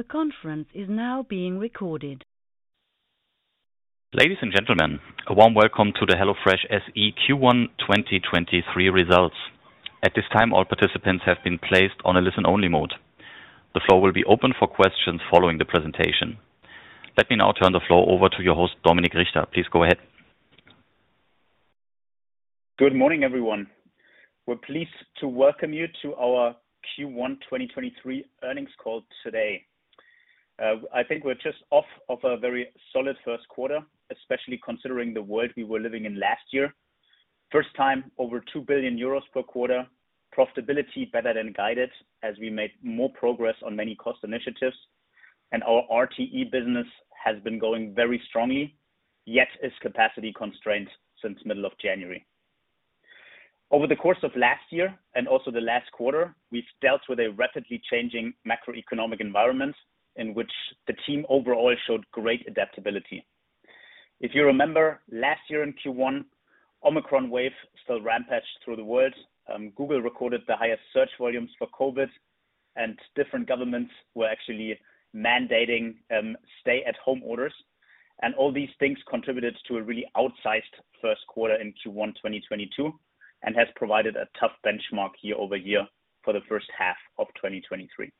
The conference is now being recorded. Ladies and gentlemen, a warm welcome to the HelloFresh SE Q1 2023 Results. At this time, all participants have be en placed on a listen-only mode. The floor will be open for questions following the presentation. Let me now turn the floor over to your host, Dominik Richter. Please go ahead. Good morning, everyone. We're pleased to welcome you to our Q1 2023 earnings call today. I think we're just off of a very solid first quarter, especially considering the world we were living in last year. First time over 2 billion euros per quarter, profitability better than guided as we made more progress on many cost initiatives, and our RTE business has been going very strongly, yet is capacity constrained since middle of January. Over the course of last year and also the last quarter, we've dealt with a rapidly changing macroeconomic environment in which the team overall showed great adaptability. If you remember last year in Q1, Omicron wave still rampaged through the world. Google recorded the highest search volumes for COVID, and different governments were actually mandating stay-at-home orders. All these things contributed to a really outsized first quarter in Q1 2022, and has provided a tough benchmark year-over-year for the first half of 2023.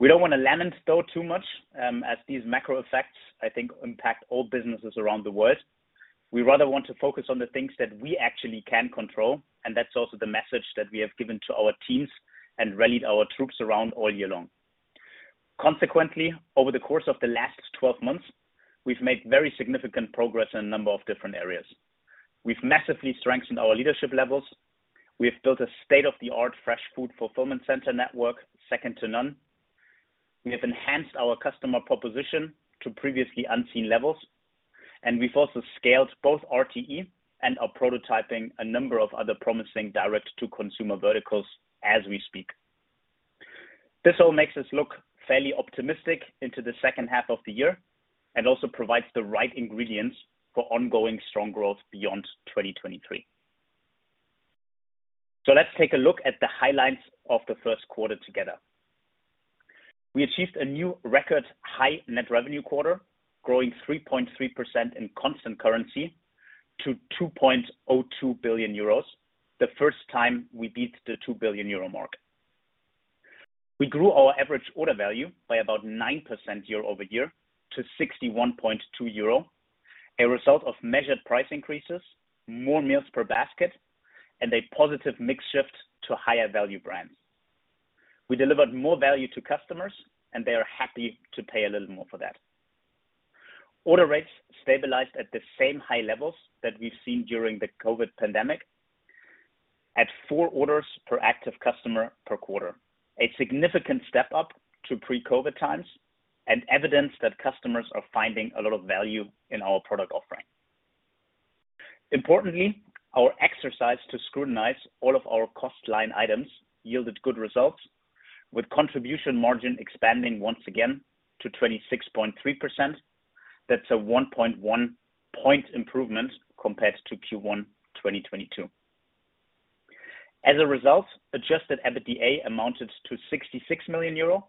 We don't wanna lament though too much, as these macro effects, I think, impact all businesses around the world. We rather want to focus on the things that we actually can control, and that's also the message that we have given to our teams and rallied our troops around all year long. Consequently, over the course of the last 12 months, we've made very significant progress in a number of different areas. We've massively strengthened our leadership levels. We have built a state-of-the-art fresh food fulfillment center network, second to none. We have enhanced our customer proposition to previously unseen levels, and we've also scaled both RTE and are prototyping a number of other promising direct-to-consumer verticals as we speak. This all makes us look fairly optimistic into the second half of the year and also provides the right ingredients for ongoing strong growth beyond 2023. Let's take a look at the highlights of the first quarter together. We achieved a new record high net revenue quarter, growing 3.3% in constant-currency to 2.02 billion euros. The first time we beat the 2 billion euro mark. We grew our average order value by about 9% year-over-year to 61.2 euro, a result of measured price increases, more meals per basket, and a positive mix shift to higher value brands. We delivered more value to customers, and they are happy to pay a little more for that. Order rates stabilized at the same high levels that we've seen during the COVID pandemic at 4 orders per active customer per quarter, a significant step up to pre-COVID times and evidence that customers are finding a lot of value in our product offering. Importantly, our exercise to scrutinize all of our cost line items yielded good results, with contribution margin expanding once again to 26.3%. That's a 1.1 point improvement compared to Q1 2022. As a result, adjusted EBITDA amounted to 66 million euro,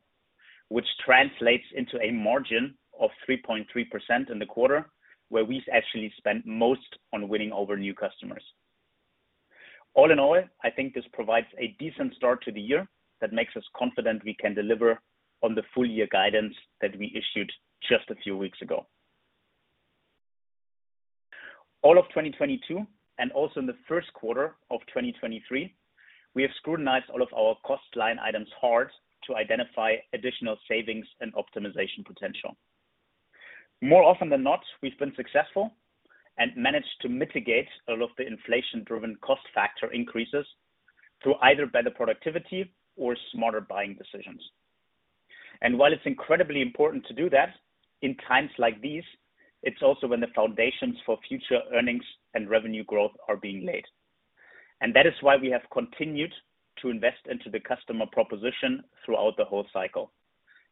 which translates into a margin of 3.3% in the quarter where we actually spent most on winning over new customers. All in all, I think this provides a decent start to the year that makes us confident we can deliver on the full year guidance that we issued just a few weeks ago. All of 2022 and also in the first quarter of 2023, we have scrutinized all of our cost line items hard to identify additional savings and optimization potential. More often than not, we've been successful and managed to mitigate a lot of the inflation-driven cost factor increases through either better productivity or smarter buying decisions. While it's incredibly important to do that, in times like these, it's also when the foundations for future earnings and revenue growth are being laid. That is why we have continued to invest into the customer proposition throughout the whole cycle,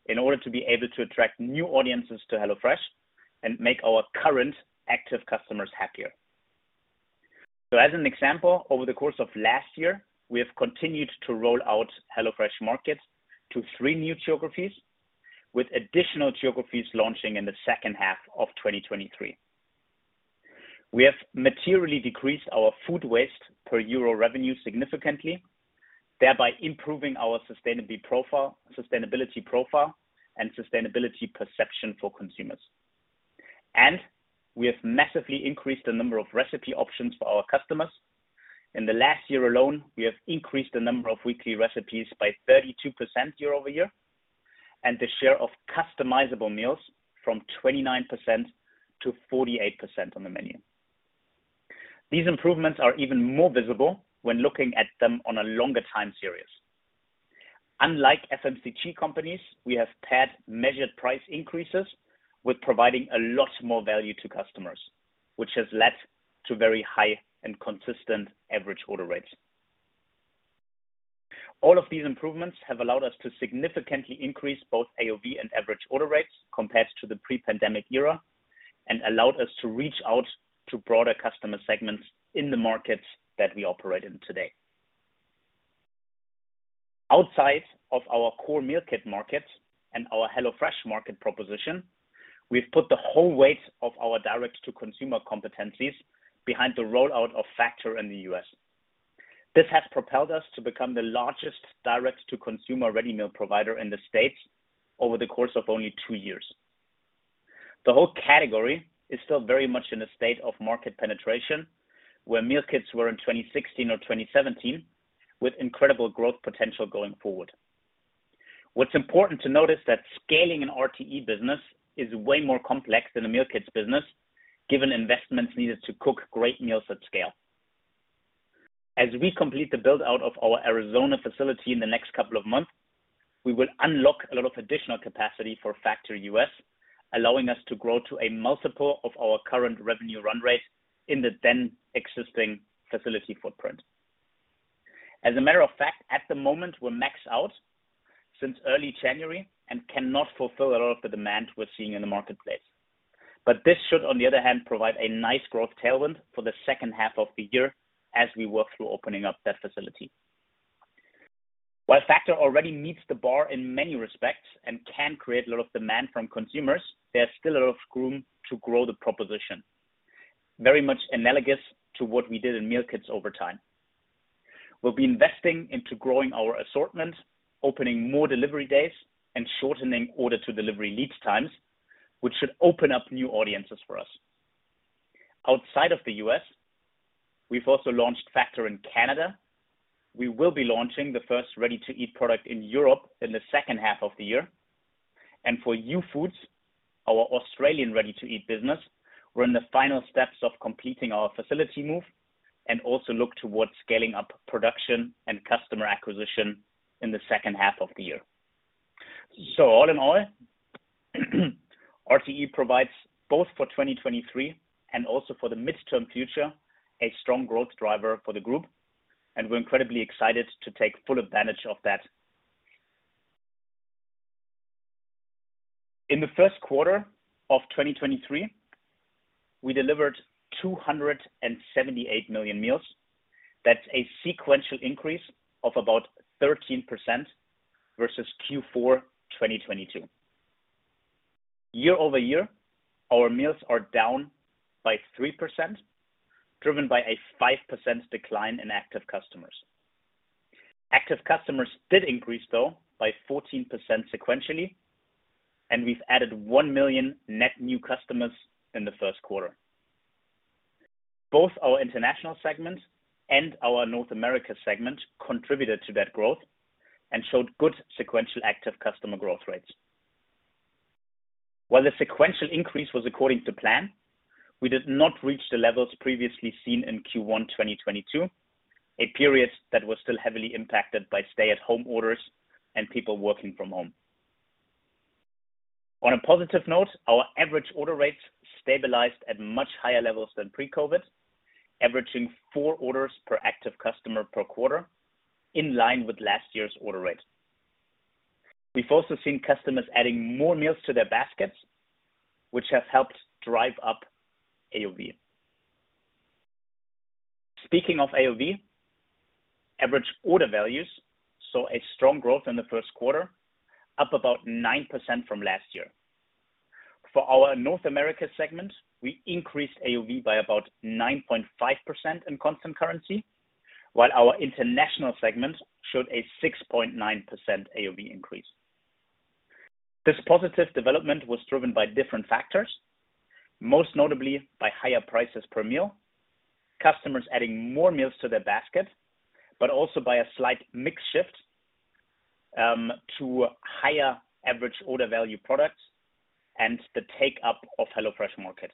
in order to be able to attract new audiences to HelloFresh and make our current active customers happier. As an example, over the course of last year, we have continued to roll out HelloFresh Market to three new geographies, with additional geographies launching in the second half of 2023. We have materially decreased our food waste per EUR revenue significantly, thereby improving our sustainability profile and sustainability perception for consumers. We have massively increased the number of recipe options for our customers. In the last year alone, we have increased the number of weekly recipes by 32% year-over-year, and the share of customizable meals from 29% to 48% on the menu. These improvements are even more visible when looking at them on a longer time series. Unlike FMCG companies, we have paired measured price increases with providing a lot more value to customers, which has led to very high and consistent average order rates. All of these improvements have allowed us to significantly increase both AOV and average order rates compared to the pre-pandemic era and allowed us to reach out to broader customer segments in the markets that we operate in today. Outside of our core meal kit markets and our HelloFresh Market proposition, we've put the whole weight of our direct-to-consumer competencies behind the rollout of Factor in the U.S. This has propelled us to become the largest direct-to-consumer ready meal provider in the States over the course of only two years. The whole category is still very much in a state of market penetration, where meal kits were in 2016 or 2017, with incredible growth potential going forward. What's important to notice that scaling an RTE business is way more complex than a meal kits business, given investments needed to cook great meals at scale. As we complete the build-out of our Arizona facility in the next couple of months, we will unlock a lot of additional capacity for Factor U.S., allowing us to grow to a multiple of our current revenue run rate in the then existing facility footprint. As a matter of fact, at the moment, we're maxed out since early January and cannot fulfill a lot of the demand we're seeing in the marketplace. This should, on the other hand, provide a nice growth tailwind for the second half of the year as we work through opening up that facility. While Factor already meets the bar in many respects and can create a lot of demand from consumers, there's still a lot of room to grow the proposition, very much analogous to what we did in meal kits over time. We'll be investing into growing our assortment, opening more delivery days, and shortening order-to-delivery lead times, which should open up new audiences for us. Outside of the U.S., we've also launched Factor in Canada. We will be launching the first ready-to-eat product in Europe in the second half of the year. For Youfoodz, our Australian ready-to-eat business, we're in the final steps of completing our facility move and also look towards scaling up production and customer acquisition in the second half of the year. All in all, RTE provides both for 2023 and also for the midterm future, a strong growth driver for the group, and we're incredibly excited to take full advantage of that. In the first quarter of 2023, we delivered 278 million meals. That's a sequential increase of about 13% versus Q4 2022. Year-over-year, our meals are down by 3%, driven by a 5% decline in active customers. Active customers did increase, though, by 14% sequentially, and we've added 1 million net new customers in the first quarter. Both our international segment and our North America segment contributed to that growth and showed good sequential active customer growth rates. While the sequential increase was according to plan, we did not reach the levels previously seen in Q1 2022, a period that was still heavily impacted by stay-at-home orders and people working from home. On a positive note, our average order rates stabilized at much higher levels than pre-COVID, averaging 4 orders per active customer per quarter, in line with last year's order rate. We've also seen customers adding more meals to their baskets, which has helped drive up AOV. Speaking of AOV, average order values saw a strong growth in the first quarter, up about 9% from last year. For our North America segment, we increased AOV by about 9.5% in constant-currency, while our international segment showed a 6.9% AOV increase. This positive development was driven by different factors, most notably by higher prices per meal, customers adding more meals to their basket, but also by a slight mix shift to higher average order value products and the take up of HelloFresh Market.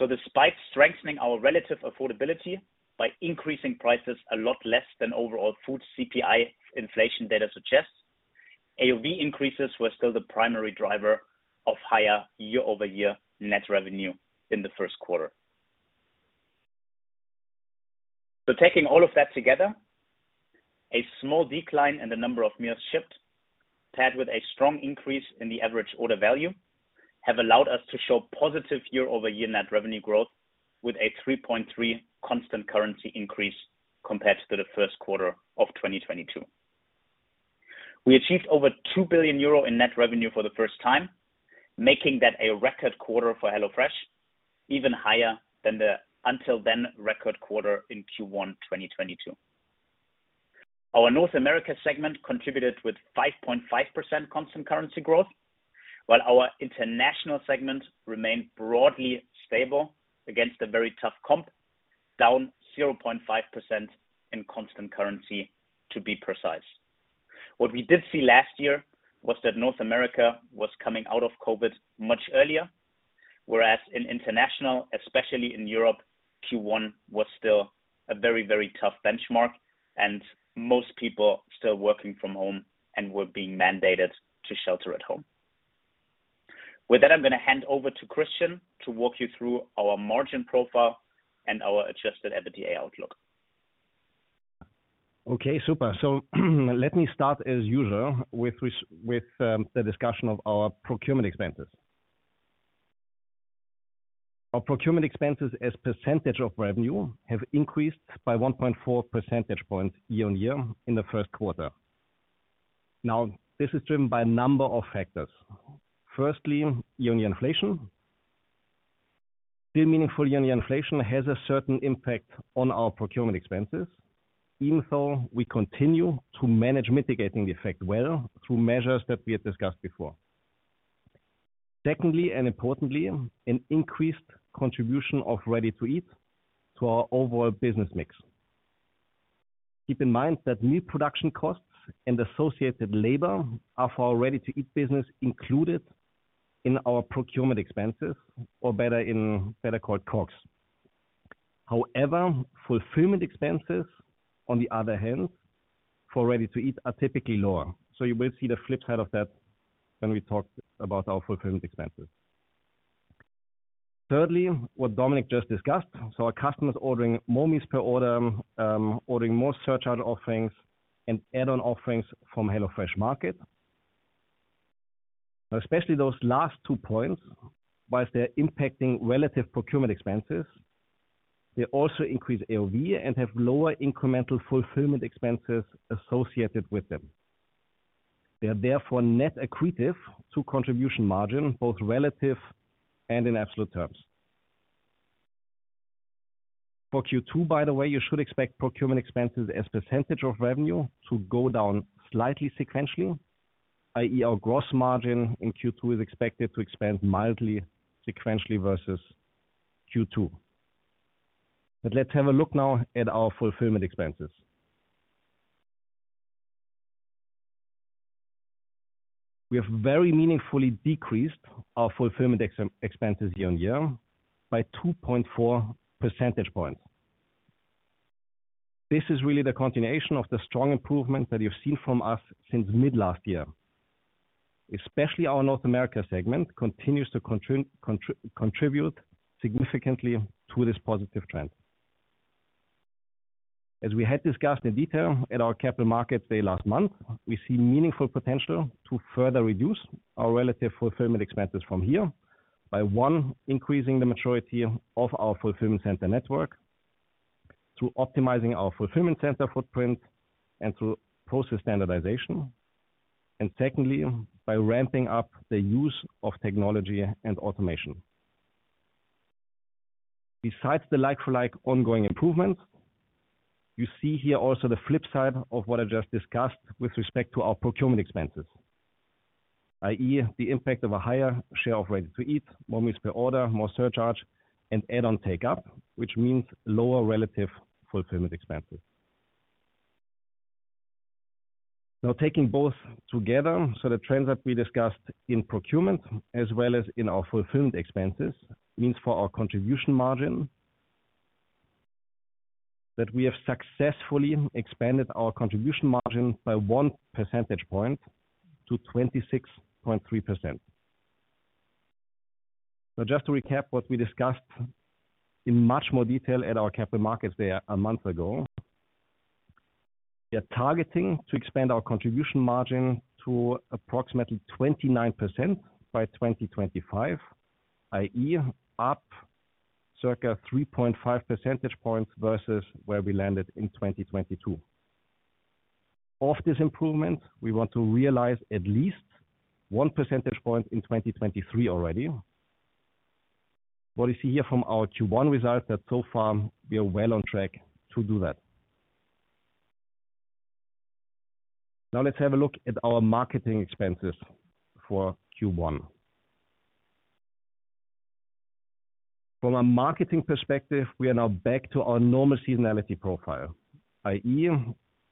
Despite strengthening our relative affordability by increasing prices a lot less than overall food CPI inflation data suggests, AOV increases were still the primary driver of higher year-over-year net revenue in the first quarter. Taking all of that together, a small decline in the number of meals shipped, paired with a strong increase in the average order value, have allowed us to show positive year-over-year net revenue growth with a 3.3% constant-currency increase compared to the first quarter of 2022. We achieved over 2 billion euro in net revenue for the first time, making that a record quarter for HelloFresh, even higher than the until-then record quarter in Q1 2022. Our North America segment contributed with 5.5% constant-currency growth, while our international segment remained broadly stable against a very tough comp, down 0.5% in constant-currency, to be precise. What we did see last year was that North America was coming out of COVID much earlier, whereas in international, especially in Europe, Q1 was still a very, very tough benchmark and most people still working from home and were being mandated to shelter at home. With that, I'm gonna hand over to Christian to walk you through our margin profile and our adjusted EBITDA outlook. Okay, super. Let me start as usual with the discussion of our procurement expenses. Our procurement expenses as percentage of revenue have increased by 1.4 percentage points year-on-year in the first quarter. This is driven by a number of factors. Firstly, year-on-year inflation. Still meaningful year-on-year inflation has a certain impact on our procurement expenses, even though we continue to manage mitigating the effect well through measures that we have discussed before. Secondly, and importantly, an increased contribution of ready-to-eat to our overall business mix. Keep in mind that new production costs and associated labor are for our ready-to-eat business included in our procurement expenses or better called COGS. Fulfillment expenses, on the other hand, for ready-to-eat are typically lower. You will see the flip side of that when we talk about our fulfillment expenses. Thirdly, what Dominik just discussed. Our customers ordering more meals per order, ordering more surcharge offerings and add-on offerings from HelloFresh Market. Especially those last two points, whilst they're impacting relative procurement expenses, they also increase AOV and have lower incremental fulfillment expenses associated with them. They are therefore net accretive to contribution margin, both relative and in absolute terms. For Q2, by the way, you should expect procurement expenses as % of revenue to go down slightly sequentially, i.e. our gross margin in Q2 is expected to expand mildly sequentially versus Q2. Let's have a look now at our fulfillment expenses. We have very meaningfully decreased our fulfillment expenses year-on-year by 2.4 percentage points. This is really the continuation of the strong improvement that you've seen from us since mid last year. Especially our North America segment continues to contribute significantly to this positive trend. As we had discussed in detail at our Capital Markets Day last month, we see meaningful potential to further reduce our relative fulfillment expenses from here by, 1, increasing the maturity of our fulfillment center network through optimizing our fulfillment center footprint and through process standardization. Secondly, by ramping up the use of technology and automation. Besides the like-for-like ongoing improvements, you see here also the flip side of what I just discussed with respect to our procurement expenses, i.e. the impact of a higher share of ready-to-eat, more meals per order, more surcharge and add-on take up, which means lower relative fulfillment expenses. Now taking both together, so the trends that we discussed in procurement as well as in our fulfillment expenses, means for our contribution margin that we have successfully expanded our contribution margin by 1 percentage point to 26.3%. Just to recap what we discussed in much more detail at our Capital Markets Day a month ago. We are targeting to expand our contribution margin to approximately 29% by 2025, i.e. up circa 3.5 percentage points versus where we landed in 2022. Of this improvement, we want to realize at least 1 percentage point in 2023 already. What you see here from our Q1 results that so far we are well on track to do that. Let's have a look at our marketing expenses for Q1. From a marketing perspective, we are now back to our normal seasonality profile, i.e.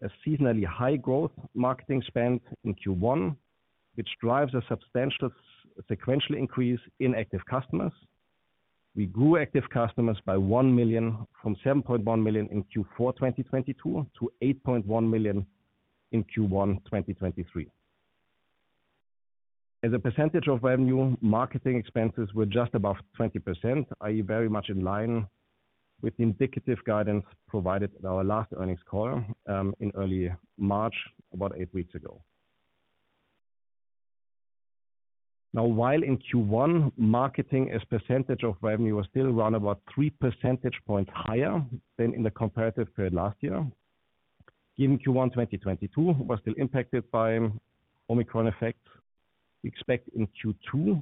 a seasonally high growth marketing spend in Q1, which drives a substantial sequential increase in active customers. We grew active customers by 1 million from 7.1 million in Q4 2022 to 8.1 million in Q1 2023. As a percentage of revenue, marketing expenses were just above 20%, i.e. very much in line with the indicative guidance provided at our last earnings call, in early March, about 8 weeks ago. While in Q1, marketing as percentage of revenue was still round about 3 percentage points higher than in the comparative period last year, given Q1 2022 was still impacted by Omicron effect, we expect in Q2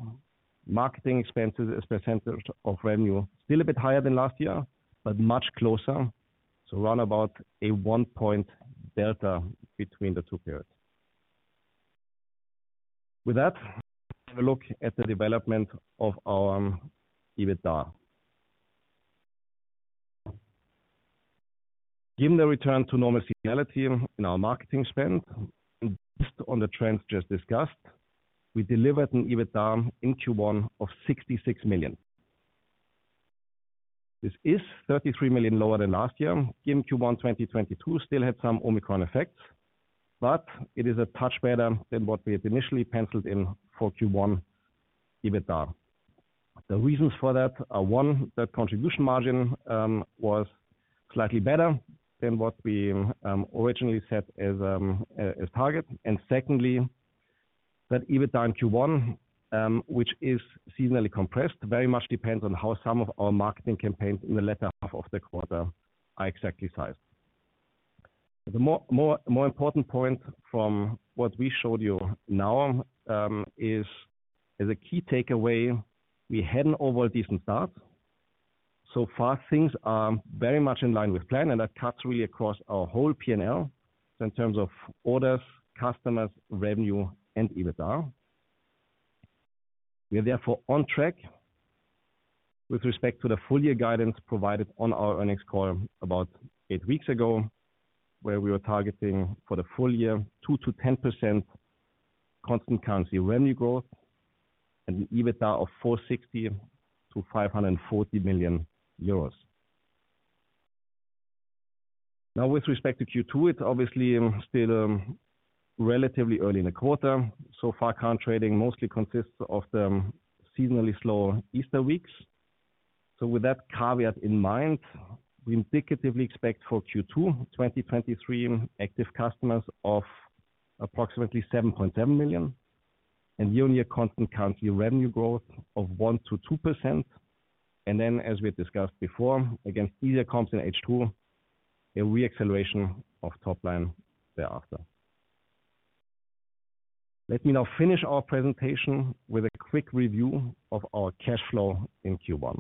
marketing expenses as percentage of revenue still a bit higher than last year, but much closer. Round about a 1 point delta between the two periods. With that, have a look at the development of our EBITDA. Given the return to normal seasonality in our marketing spend and based on the trends just discussed, we delivered an EBITDA in Q1 of 66 million. This is 33 million lower than last year, given Q1 2022 still had some Omicron effects. It is a touch better than what we had initially penciled in for Q1 EBITDA. The reasons for that are, one, the contribution margin was slightly better than what we originally set as target. Secondly, EBITDA in Q1, which is seasonally compressed, very much depends on how some of our marketing campaigns in the latter half of the quarter are exactly sized. The more important point from what we showed you now is a key takeaway. We had an overall decent start. Far, things are very much in line with plan, and that cuts really across our whole P&L in terms of orders, customers, revenue, and EBITDA. We are therefore on track with respect to the full year guidance provided on our earnings call about 8 weeks ago, where we were targeting for the full year 2%-10% constant-currency revenue growth and an EBITDA of 460 million-540 million euros. With respect to Q2, it's obviously still relatively early in the quarter. Far, current trading mostly consists of the seasonally slow Easter weeks. With that caveat in mind, we indicatively expect for Q2 2023 active customers of approximately 7.7 million and year-on-year constant-currency revenue growth of 1%-2%. Then, as we discussed before, against easier comps in H2, a re-acceleration of top-line thereafter. Let me now finish our presentation with a quick review of our cash flow in Q1.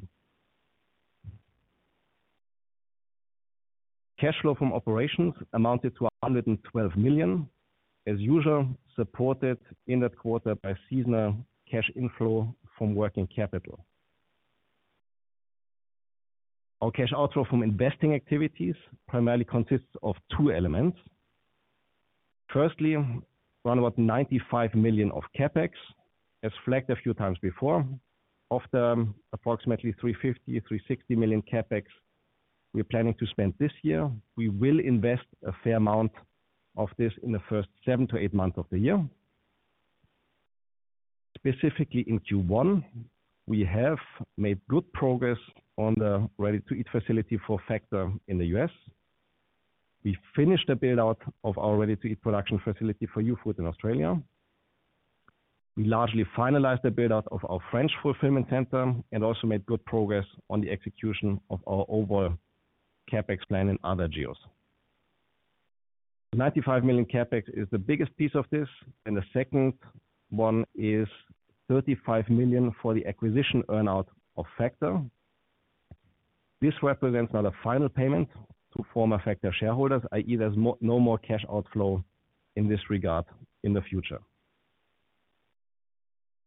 Cash flow from operations amounted to 112 million, as usual, supported in that quarter by seasonal cash inflow from working capital. Our cash outflow from investing activities primarily consists of two elements. Firstly, around about 95 million of CapEx. As flagged a few times before, of the approximately 350 million-360 million CapEx we're planning to spend this year, we will invest a fair amount of this in the first seven to eight months of the year. Specifically in Q1, we have made good progress on the ready-to-eat facility for Factor in the U.S. We finished the build-out of our ready-to-eat production facility for Youfoodz in Australia. We largely finalized the build-out of our French fulfillment center and also made good progress on the execution of our overall CapEx plan in other geos. The 95 million CapEx is the biggest piece of this, and the second one is 35 million for the acquisition earn-out of Factor. This represents now the final payment to former Factor shareholders, i.e., there's no more cash outflow in this regard in the future.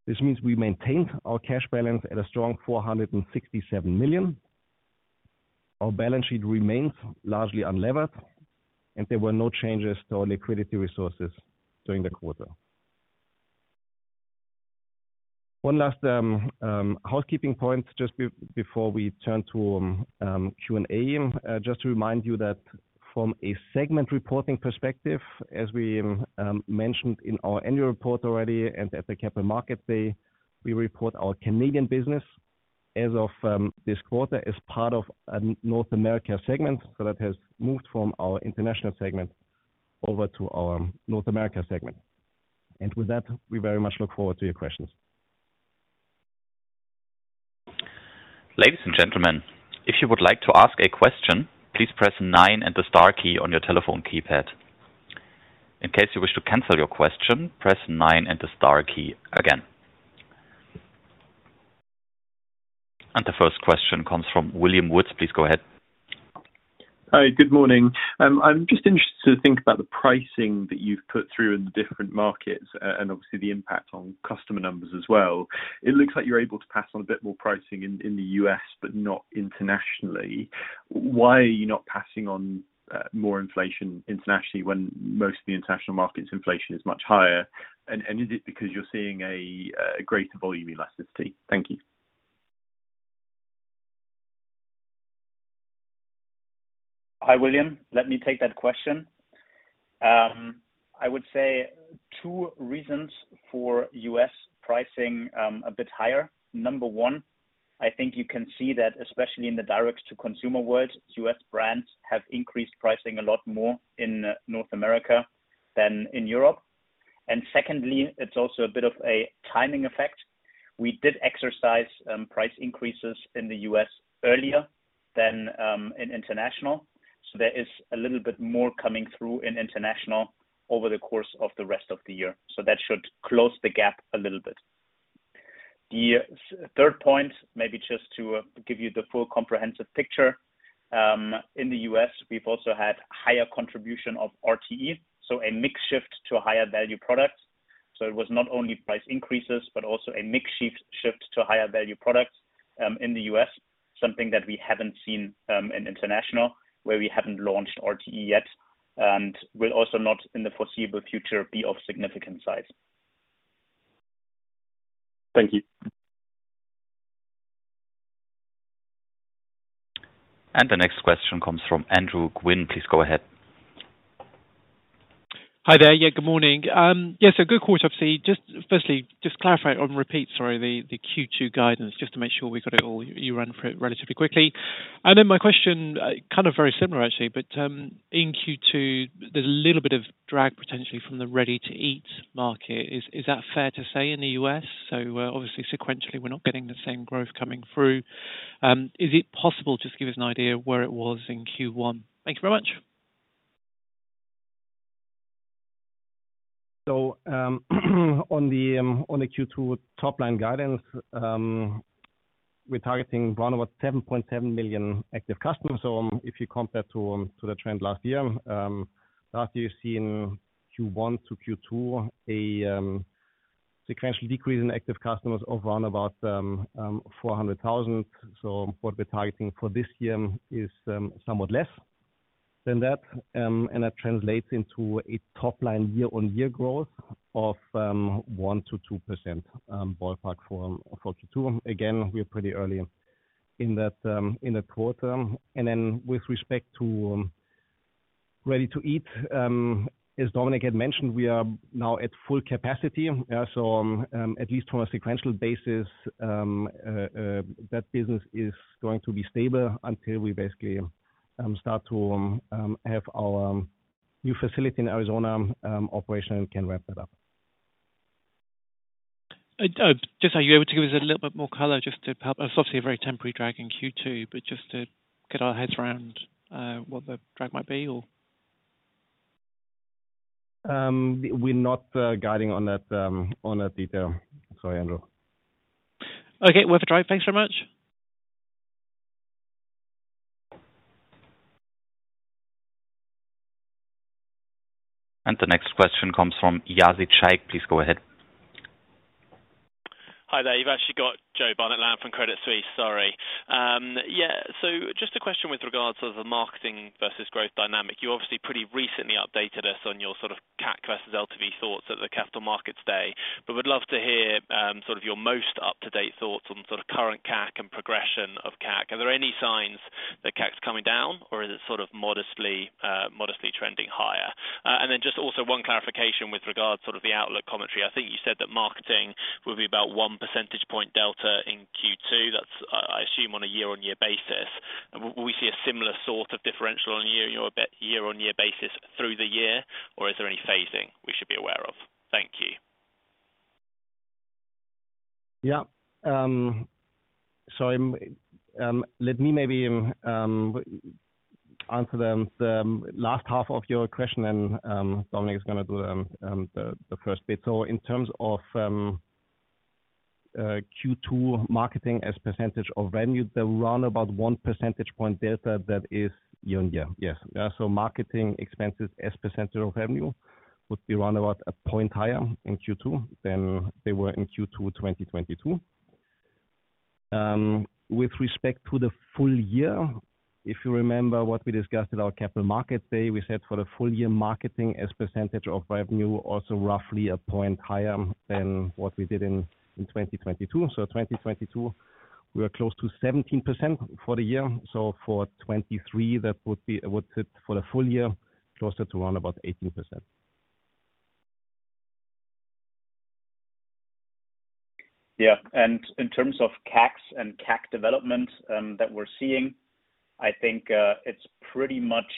This means we maintained our cash balance at a strong 467 million. Our balance sheet remains largely unlevered, and there were no changes to our liquidity resources during the quarter. One last housekeeping point just before we turn to Q&A. Just to remind you that from a segment reporting perspective, as we mentioned in our annual report already and at the Capital Markets Day, we report our Canadian business as of this quarter as part of a North America segment. That has moved from our international segment over to our North America segment. With that, we very much look forward to your questions. Ladies and gentlemen, if you would like to ask a question, please press 9 and the star key on your telephone keypad. In case you wish to cancel your question, press 9 and the star key again. The first question comes from William Woods. Please go ahead. Hi, good morning. I'm just interested to think about the pricing that you've put through in the different markets and obviously the impact on customer numbers as well. It looks like you're able to pass on a bit more pricing in the US, but not internationally. Why are you not passing on more inflation internationally when most of the international markets inflation is much higher? Is it because you're seeing a greater volume elasticity? Thank you. Hi, William. Let me take that question. I would say two reasons for U.S. pricing, a bit higher. Number one, I think you can see that especially in the direct-to-consumer world, U.S. brands have increased pricing a lot more in North America than in Europe. Secondly, it's also a bit of a timing effect. We did exercise price increases in the U.S. earlier than in international. There is a little bit more coming through in international over the course of the rest of the year. That should close the gap a little bit. The third point, maybe just to give you the full comprehensive picture, in the U.S., we've also had higher contribution of RTE, so a mix shift to a higher value product. It was not only price increases, but also a mix shift to higher value products in the U.S. Something that we haven't seen in international, where we haven't launched RTE yet and will also not in the foreseeable future be of significant size. Thank you. The next question comes from Andrew Gwynn. Please go ahead. Hi there. Yeah, good morning. Good quarter, obviously. Just firstly, just clarify or repeat, sorry, the Q2 guidance, just to make sure we got it all. You ran through it relatively quickly. My question, kind of very similar actually, in Q2, there's a little bit of drag potentially from the ready-to-eat market. Is that fair to say in the US? Obviously sequentially, we're not getting the same growth coming through. Is it possible just to give us an idea where it was in Q1? Thank you very much. On the Q2 top-line guidance, we're targeting around about 7.7 million active customers. If you compare to the trend last year, last year you've seen Q1 to Q2 a sequential decrease in active customers of around about 400,000. What we're targeting for this year is somewhat less than that. That translates into a top-line year-on-year growth of 1%-2% ballpark for Q2. Again, we're pretty early in that in the quarter. With respect to ready to eat, as Dominik had mentioned, we are now at full capacity. At least from a sequential basis, that business is going to be stable until we basically, start to, have our new facility in Arizona, operational and can ramp that up. Just are you able to give us a little bit more color just to help? It's obviously a very temporary drag in Q2, but just to get our heads around what the drag might be or. We're not guiding on that on that detail. Sorry, Andrew. Okay. Worth a try. Thanks very much. The next question comes from Yazid Chaik. Please go ahead. Hi there. You've actually got Joe Barnett-Lamb from Credit Suisse. Sorry. Yeah, just a question with regards to the marketing versus growth dynamic. You obviously pretty recently updated us on your sort of CAC versus LTV thoughts at the Capital Markets Day. We'd love to hear sort of your most up-to-date thoughts on sort of current CAC and progression of CAC. Are there any signs that CAC's coming down or is it sort of modestly modestly trending higher? Then just also 1 clarification with regards sort of the outlook commentary. I think you said that marketing will be about 1 percentage point delta in Q2. That's, I assume on a year-over-year basis. Will we see a similar sort of differential on a year-over-year basis through the year, or is there any phasing we should be aware of? Thank you. Yeah. Let me maybe answer the last half of your question and Dominik is gonna do the first bit. In terms of Q2 marketing as percentage of revenue, the run about 1 percentage point delta, that is year-on-year. Yes. Marketing expenses as percentage of revenue would be run about 1 point higher in Q2 than they were in Q2 2022. With respect to the full year, if you remember what we discussed at our Capital Markets Day, we said for the full year marketing as percentage of revenue, also roughly 1 point higher than what we did in 2022. 2022, we are close to 17% for the year. For 2023, that would sit for the full year, closer to around about 18%. Yeah. In terms of CACs and CAC development that we're seeing, I think it's pretty much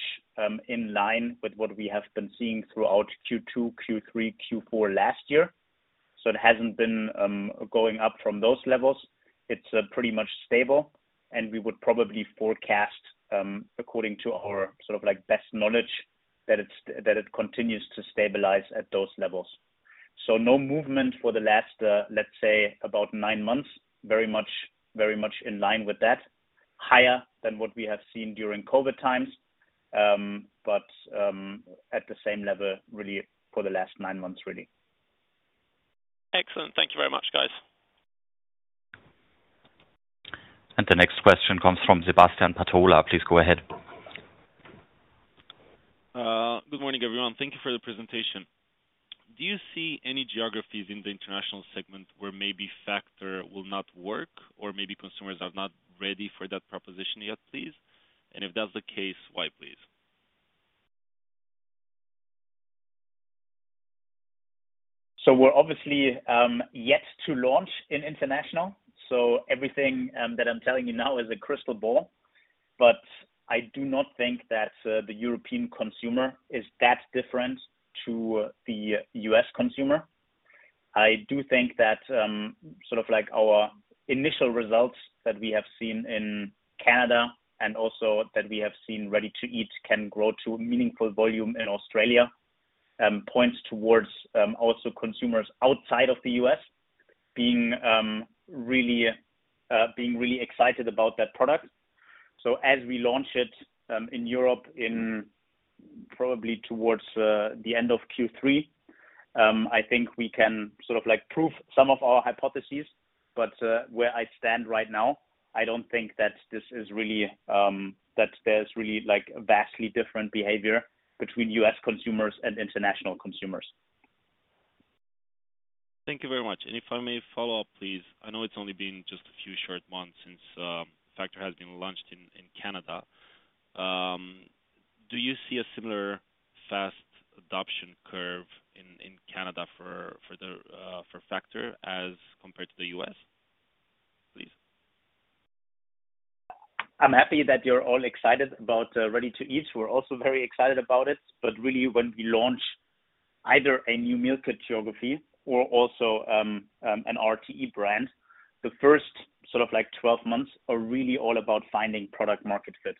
in line with what we have been seeing throughout Q2, Q3, Q4 last year. It hasn't been going up from those levels. It's pretty much stable, and we would probably forecast according to our sort of like best knowledge that it continues to stabilize at those levels. No movement for the last, let's say about 9 months, very much in line with that. Higher than what we have seen during COVID times, but at the same level, really for the last 9 months. Excellent. Thank you very much, guys. The next question comes from Sebastian Patulea. Please go ahead. Good morning, everyone. Thank you for the presentation. Do you see any geographies in the international segment where maybe Factor will not work or maybe consumers are not ready for that proposition yet, please? If that's the case, why, please? We're obviously yet to launch in international. Everything that I'm telling you now is a crystal ball. I do not think that the European consumer is that different to the US consumer. I do think that sort of like our initial results that we have seen in Canada and also that we have seen ready to eat can grow to a meaningful volume in Australia, points towards also consumers outside of the US being really excited about that product. As we launch it in Europe in probably towards the end of Q3, I think we can sort of like prove some of our hypothesis. Where I stand right now, I don't think that this is really that there's really, like, vastly different behavior between US consumers and international consumers. Thank you very much. If I may follow up, please. I know it's only been just a few short months since Factor has been launched in Canada. Do you see a similar fast adoption curve in Canada for the for Factor as compared to the US, please? I'm happy that you're all excited about ready-to-eat. We're also very excited about it, really when we launch either a new meal kit geography or also an RTE brand, the first sort of like 12 months are really all about finding product market fit.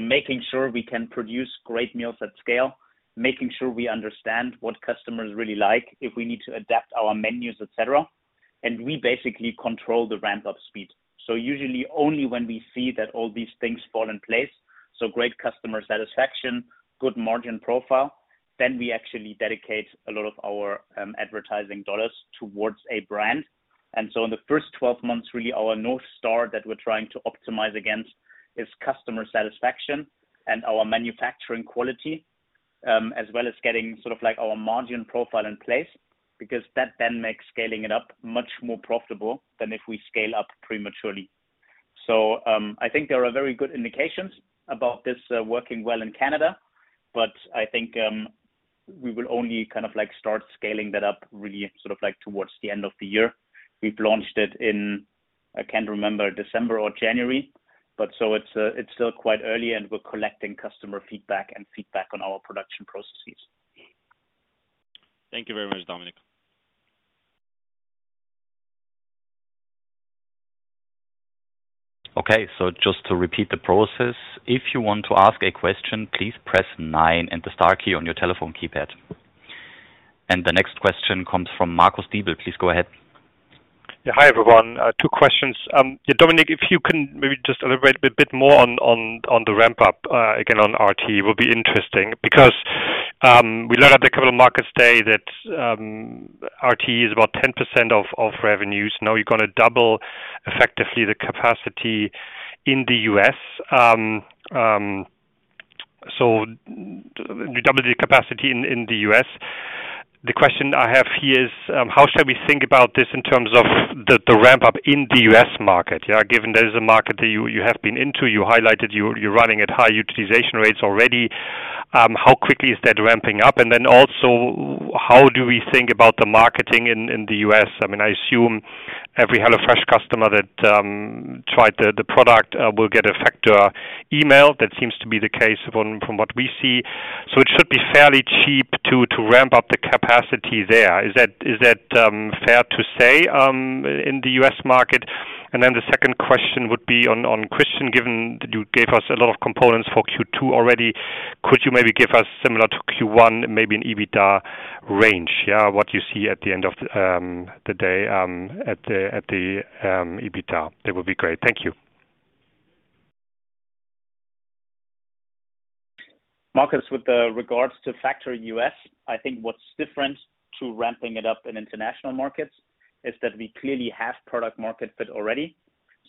Making sure we can produce great meals at scale, making sure we understand what customers really like, if we need to adapt our menus, et cetera. We basically control the ramp-up speed. Usually only when we see that all these things fall in place, so great customer satisfaction, good margin profile, then we actually dedicate a lot of ur advertising dollars towards a brand. In the first 12 months, really our North Star that we're trying to optimize against is customer satisfaction and our manufacturing quality, as well as getting sort of like our margin profile in place, because that then makes scaling it up much more profitable than if we scale up prematurely. I think there are very good indications about this working well in Canada, but I think, we will only kind of like start scaling that up really sort of like towards the end of the year. We've launched it in, I can't remember, December or January, but it's still quite early and we're collecting customer feedback and feedback on our production processes. Thank you very much, Dominik. Okay, just to repeat the process, if you want to ask a question, please press nine and the star key on your telephone keypad. The next question comes from Marcus Diebel. Please go ahead. Yeah, Dominik, if you can maybe just elaborate a bit more on the ramp up again on RTE will be interesting because we learned at the Capital Markets Day that RTE is about 10% of revenues. You're going to double effectively the capacity in the U.S. You double the capacity in the U.S. The question I have here is how should we think about this in terms of the ramp up in the U.S. market, given that is a market that you have been into, you highlighted you're running at high utilization rates already. How quickly is that ramping up? Also how do we think about the marketing in the U.S.? I mean, I assume every HelloFresh customer that tried the product will get a Factor email. That seems to be the case from what we see. It should be fairly cheap to ramp up the capacity there. Is that fair to say in the U.S. market? The second question would be on Christian, given that you gave us a lot of components for Q2 already, could you maybe give us similar to Q1, maybe an EBITDA range? Yeah. What you see at the end of the day, at the EBITDA? That would be great. Thank you. Marcus, with the regards to Factor U.S., I think what's different to ramping it up in international markets is that we clearly have product market fit already.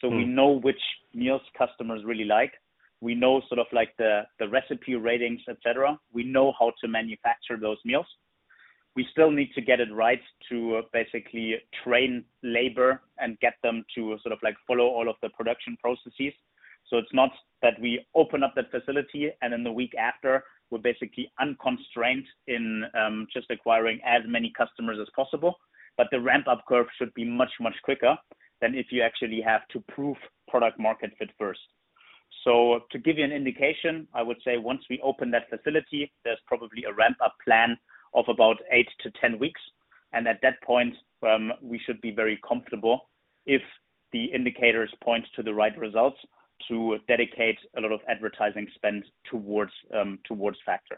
Mm. We know which meals customers really like. We know sort of like the recipe ratings, et cetera. We know how to manufacture those meals. We still need to get it right to basically train labor and get them to sort of like, follow all of the production processes. It's not that we open up that facility and then the week after, we're basically unconstrained in just acquiring as many customers as possible. The ramp up curve should be much, much quicker than if you actually have to prove product market fit first. To give you an indication, I would say once we open that facility, there's probably a ramp up plan of about 8-10 weeks. At that point, we should be very comfortable if the indicators point to the right results to dedicate a lot of advertising spend towards Factor.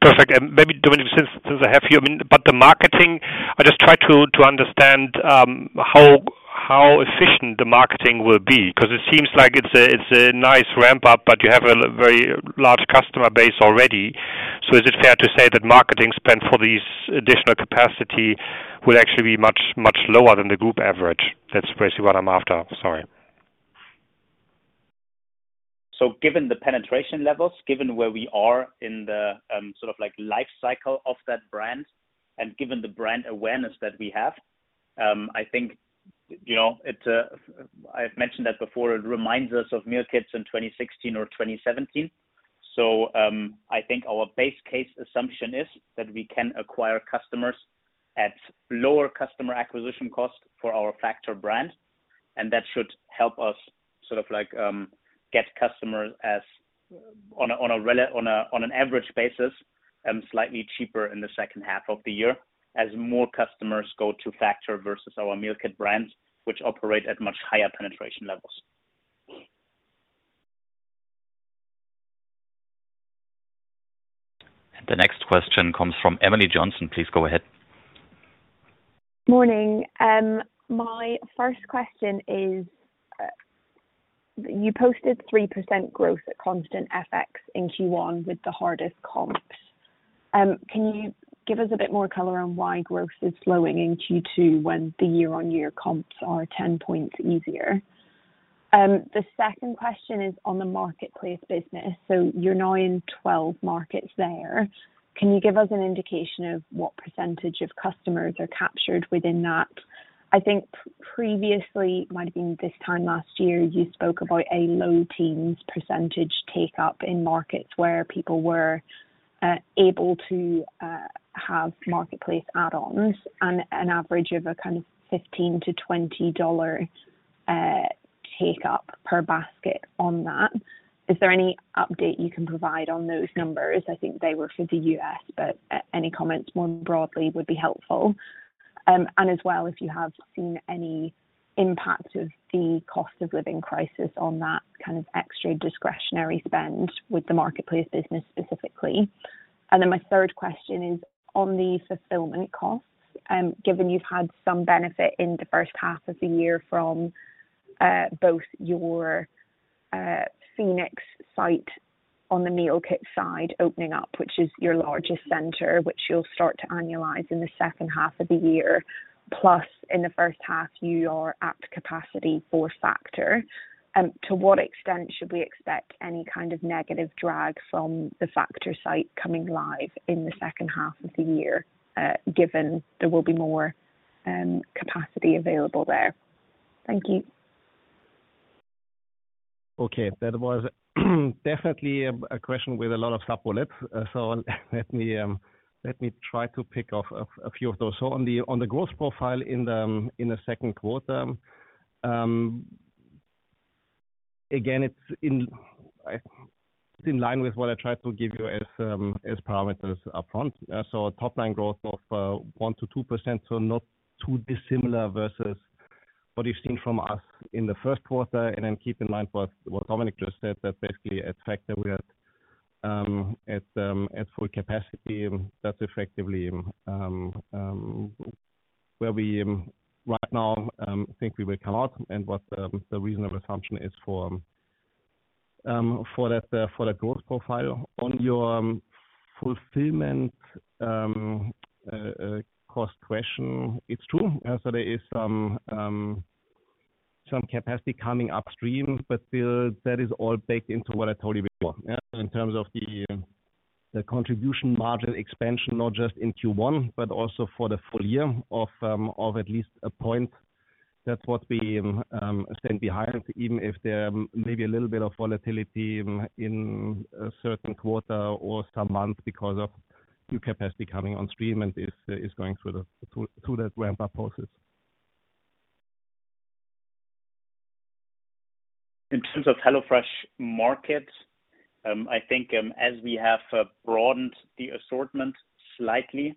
Perfect. Maybe, Dominik, since I have you. The marketing, I just try to understand how efficient the marketing will be, because it seems like it's a nice ramp up, but you have a very large customer base already. Is it fair to say that marketing spend for these additional capacity will actually be much lower than the group average? That's basically what I'm after. Sorry. Given the penetration levels, given where we are in the sort of like life cycle of that brand, and given the brand awareness that we have, I think, you know, it, I've mentioned that before. It reminds us of meal kits in 2016 or 2017. I think our base case assumption is that we can acquire customers at lower customer acquisition cost for our Factor, and that should help us sort of like get customers as on an average basis slightly cheaper in the second half of the year as more customers go to Factor versus our meal kit brands, which operate at much higher penetration levels. The next question comes from Emily Johnson. Please go ahead. Morning. My first question is, you posted 3% growth at constant FX in Q1 with the hardest comps. Can you give us a bit more color on why growth is slowing in Q2 when the year-on-year comps are 10 points easier? The second question is on the marketplace business. You're now in 12 markets there. Can you give us an indication of what % of customers are captured within that? I think previously, might have been this time last year, you spoke about a low teens % take up in markets where people were able to have marketplace add-ons and an average of a kind of $15-$20. Take up per basket on that. Is there any update you can provide on those numbers? I think they were for the U.S., any comments more broadly would be helpful. As well, if you have seen any impact of the cost of living crisis on that kind of extra discretionary spend with the marketplace business specifically. My third question is on the fulfillment costs. Given you've had some benefit in the first half of the year from both your Phoenix site on the meal kit side opening up, which is your largest center, which you'll start to annualize in the second half of the year, plus in the first half, you are at capacity for Factor. To what extent should we expect any kind of negative drag from the Factor site coming live in the second half of the year, given there will be more capacity available there? Thank you. Okay. That was definitely a question with a lot of sub-bullets. Let me try to pick off a few of those. On the growth profile in the second quarter, again, it's in line with what I tried to give you as parameters upfront. Top-line growth of 1% to 2%, so not too dissimilar versus what you've seen from us in the first quarter. Then keep in mind what Dominik just said, that basically at Factor we are at full capacity. That's effectively where we right now think we will come out and what the reasonable assumption is for that, for that growth profile. On your fulfillment cost question. It's true. There is some capacity coming upstream, but that is all baked into what I told you before. Yeah. In terms of the contribution margin expansion, not just in Q1, but also for the full year of at least a point. That's what we stand behind, even if there may be a little bit of volatility in a certain quarter or some months because of new capacity coming on stream and is going through the ramp-up process. In terms of HelloFresh Market, I think, as we have broadened the assortment slightly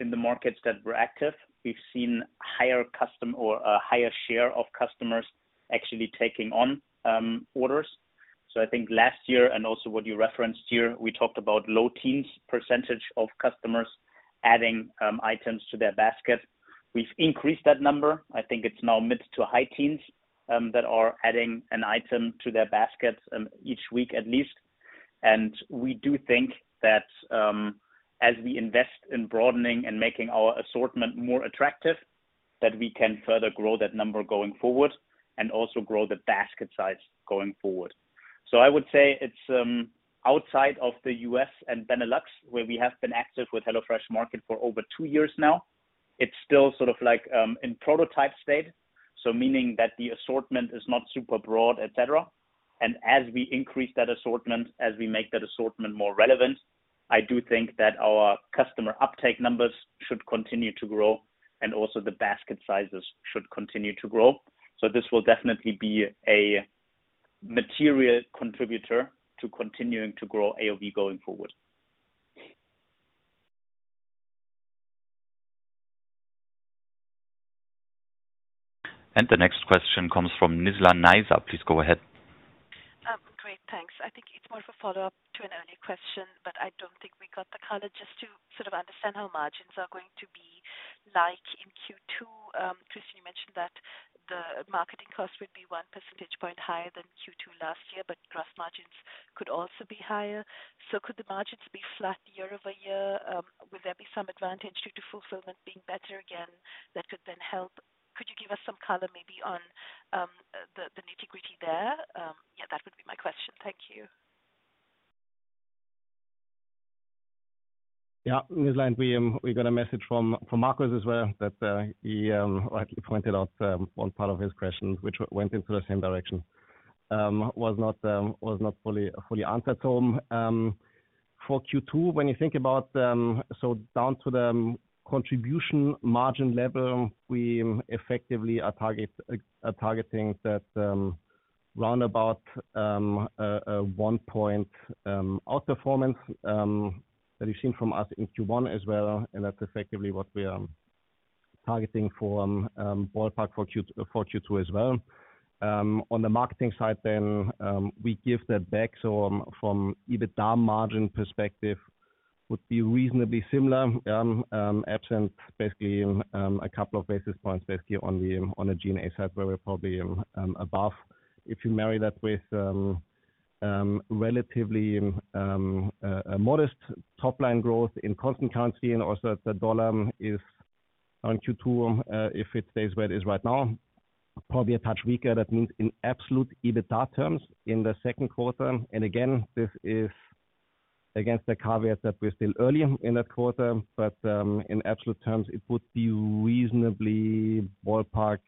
in the markets that we're active, we've seen a higher share of customers actually taking on orders. I think last year and also what you referenced here, we talked about low teens % of customers adding items to their basket. We've increased that number. I think it's now mid to high teens that are adding an item to their basket each week at least. We do think that, as we invest in broadening and making our assortment more attractive, that we can further grow that number going forward and also grow the basket size going forward. I would say it's outside of the US and Benelux, where we have been active with HelloFresh Market for over two years now, it's still sort of like in prototype state, so meaning that the assortment is not super broad, et cetera. As we increase that assortment, as we make that assortment more relevant, I do think that our customer uptake numbers should continue to grow and also the basket sizes should continue to grow. This will definitely be a material contributor to continuing to grow AOV going forward. The next question comes from Nizlan Niza. Please go ahead. Great, thanks. I think it's more of a follow-up to an earlier question, but I don't think we got the color just to sort of understand how margins are going to be like in Q2. Christian, you mentioned that the marketing cost would be 1 percentage point higher than Q2 last year, but gross margins could also be higher. Could the margins be flat year-over-year? Would there be some advantage due to fulfillment being better again that could then help? Could you give us some color maybe on the nitty-gritty there? Yeah, that would be my question. Thank you. Nizlan, we got a message from Marcus as well that he rightly pointed out one part of his question, which went into the same direction, was not fully answered. For Q2, when you think about down to the contribution margin level, we effectively are targeting that roundabout a 1 point outperformance that you've seen from us in Q1 as well, and that's effectively what we are targeting for ballpark for Q2 as well. On the marketing side then, we give that back. From EBITDA margin perspective would be reasonably similar, absent basically a couple of basis points, basically on the G&A side where we're probably above. If you marry that with, relatively, a modest top-line growth in constant-currency and also the dollar is on Q2, if it stays where it is right now, probably a touch weaker. That means in absolute EBITDA terms in the second quarter. Again, this is against the caveat that we're still early in that quarter, but, in absolute terms, it would be reasonably ballpark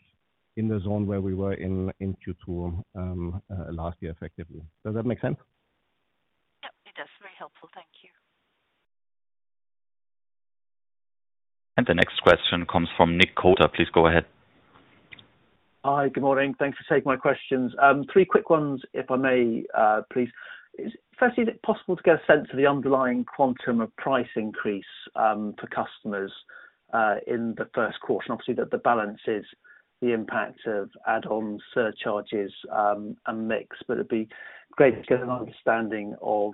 in the zone where we were in Q2, last year, effectively. Does that make sense? The next question comes from Nick Koder. Please go ahead. Hi. Good morning. Thanks for taking my questions. 3 quick ones if I may, please. Firstly, is it possible to get a sense of the underlying quantum of price increase for customers in the first quarter? Obviously, that the balance is the impact of add-on surcharges and mix. It'd be great to get an understanding of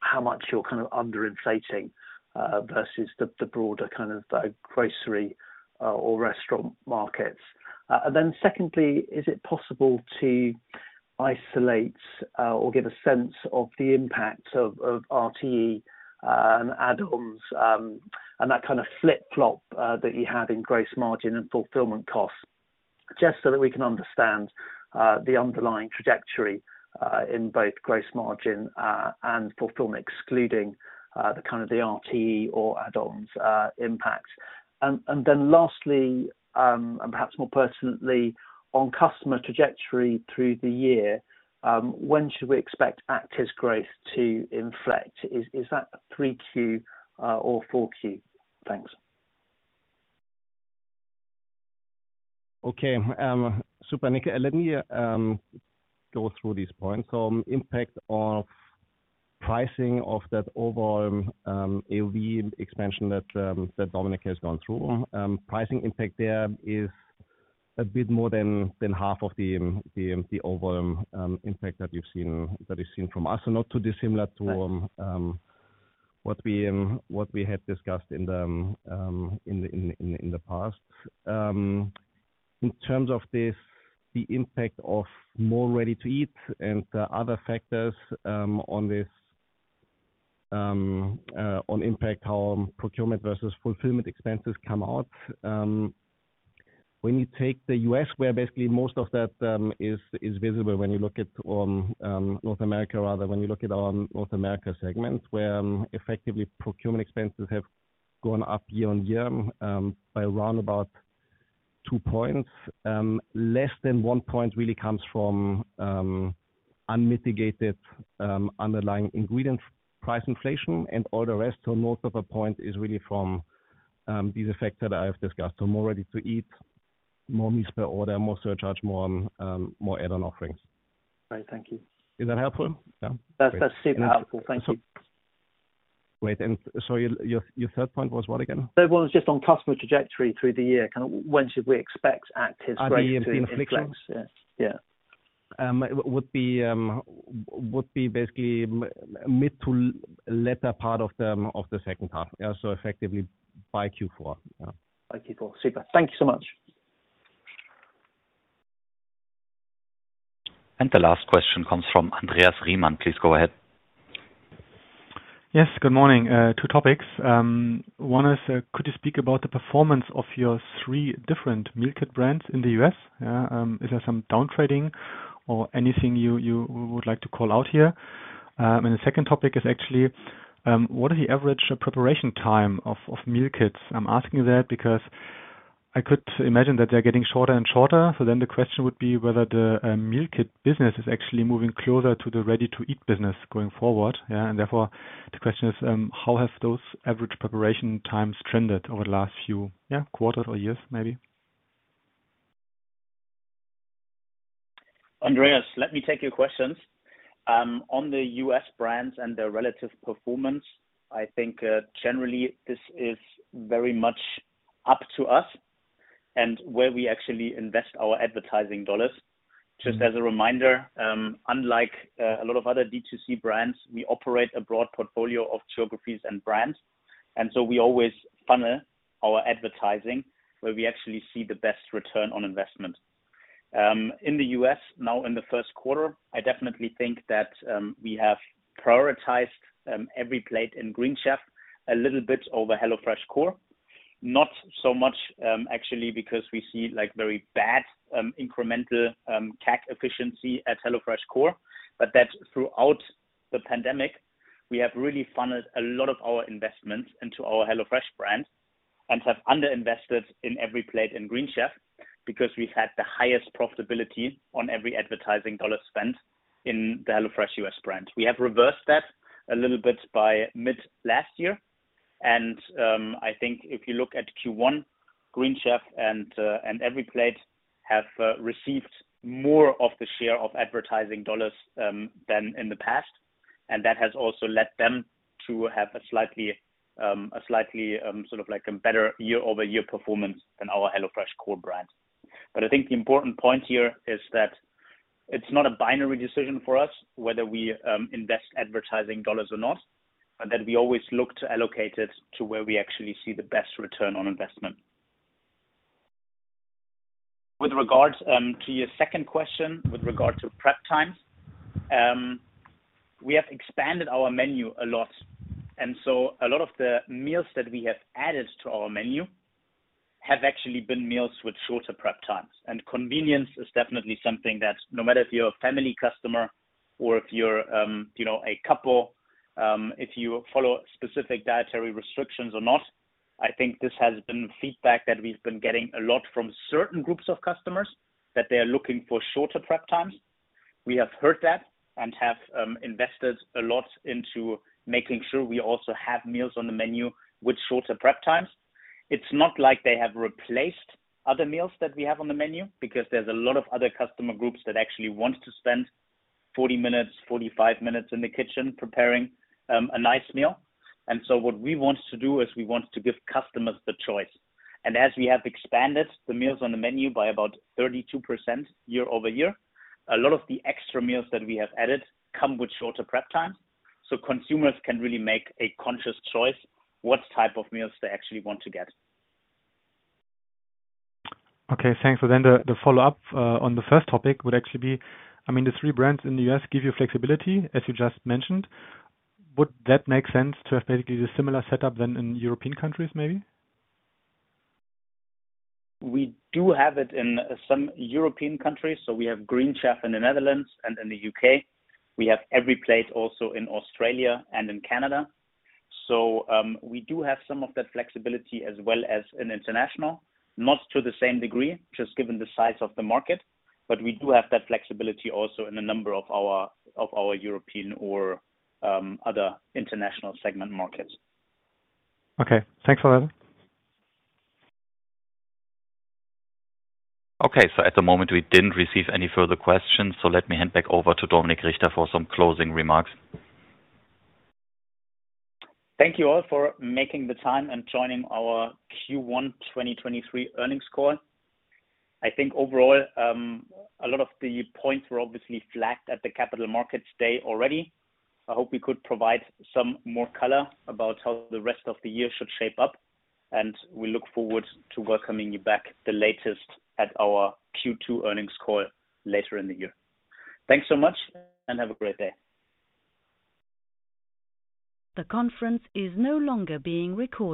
how much you're kind of underinflating versus the broader kind of grocery or restaurant markets. Secondly, is it possible to isolate or give a sense of the impact of RTE and add-ons and that kind of flip-flop that you have in gross margin and fulfillment costs? Just so that we can understand the underlying trajectory in both gross margin and fulfillment, excluding the kind of the RTE or add-ons impact. Lastly, and perhaps more personally on customer trajectory through the year, when should we expect active growth to inflect? Is that 3Q or 4Q? Thanks. Okay. Super, Nick. Let me go through these points. Impact of pricing of that overall AOV expansion that Dominik has gone through. Pricing impact there is a bit more than half of the overall impact that you've seen, that we've seen from us. Not too dissimilar to what we had discussed in the past. In terms of this, the impact of more ready-to-eat and the other factors on this on impact how procurement versus fulfillment expenses come out. When you take the U.S., where basically most of that, is visible when you look at, North America, rather, when you look at our North America segment, where, effectively procurement expenses have gone up year-on-year, by around about 2 points. Less than 1 point really comes from, unmitigated, underlying ingredient price inflation and all the rest. Most of the point is really from, these effects that I have discussed. More ready-to-eat, more meals per order, more surcharge, more, more add-on offerings. Great. Thank you. Is that helpful? Yeah. That's super helpful. Thank you. Wait. Your third point was what again? That was just on customer trajectory through the year. Kinda when should we expect active growth to inflect? The inflection? Yeah. Yeah. It would be basically mid to latter part of the second half. Yeah. Effectively by Q4. Yeah. By Q4. Super. Thank you so much. The last question comes from Andreas Riemann. Please go ahead. Yes, good morning. Two topics. One is, could you speak about the performance of your three different meal kit brands in the US? Is there some down-trading or anything you would like to call out here? The second topic is actually, what are the average preparation time of meal kits? I'm asking that because I could imagine that they're getting shorter and shorter. The question would be whether the meal kit business is actually moving closer to the ready-to-eat business going forward. Yeah. Therefore, the question is, how have those average preparation times trended over the last few, yeah, quarters or years, maybe? Andreas, let me take your questions. On the US brands and their relative performance, I think, generally this is very much up to us and where we actually invest our advertising dollars. Just as a reminder, unlike a lot of other D2C brands, we operate a broad portfolio of geographies and brands. So we always funnel our advertising where we actually see the best ROI. In the US now in the first quarter, I definitely think that, we have prioritized, EveryPlate and Green Chef a little bit over HelloFresh Core. Not so much, actually because we see like very bad, incremental, CAC efficiency at HelloFresh Core, but that throughout the pandemic, we have really funneled a lot of our investments into our HelloFresh brand and have under-invested in EveryPlate and Green Chef because we've had the highest profitability on every advertising dollar spent in the HelloFresh US brand. We have reversed that a little bit by mid last year. I think if you look at Q1, Green Chef and EveryPlate have received more of the share of advertising dollars than in the past. That has also led them to have a slightly, a slightly, sort of like a better year-over-year performance than our HelloFresh Core brand. I think the important point here is that it's not a binary decision for us whether we invest advertising dollars or not, but that we always look to allocate it to where we actually see the best return on investment. With regards to your second question with regard to prep times. We have expanded our menu a lot, and so a lot of the meals that we have added to our menu have actually been meals with shorter prep times. Convenience is definitely something that no matter if you're a family customer or if you're, you know, a couple, if you follow specific dietary restrictions or not, I think this has been feedback that we've been getting a lot from certain groups of customers, that they are looking for shorter prep times. We have heard that and have invested a lot into making sure we also have meals on the menu with shorter prep times. It's not like they have replaced other meals that we have on the menu because there's a lot of other customer groups that actually want to spend 40 minutes, 45 minutes in the kitchen preparing a nice meal. What we want to do is we want to give customers the choice. As we have expanded the meals on the menu by about 32% year-over-year, a lot of the extra meals that we have added come with shorter prep times, so consumers can really make a conscious choice what type of meals they actually want to get. Okay, thanks. The follow-up, on the first topic would actually be, I mean, the three brands in the US give you flexibility, as you just mentioned. Would that make sense to have basically the similar setup than in European countries, maybe? We do have it in some European countries, so we have Green Chef in the Netherlands and in the U.K. We have EveryPlate also in Australia and in Canada. We do have some of that flexibility as well as in international, not to the same degree, just given the size of the market, but we do have that flexibility also in a number of our, of our European or, other international segment markets. Okay. Thanks for that. Okay. At the moment, we didn't receive any further questions, so let me hand back over to Dominik Richter for some closing remarks. Thank you all for making the time and joining our Q1 2023 earnings call. I think overall, a lot of the points were obviously flagged at the Capital Markets Day already. I hope we could provide some more color about how the rest of the year should shape up, and we look forward to welcoming you back the latest at our Q2 earnings call later in the year. Thanks so much and have a great day. The conference is no longer being recorded.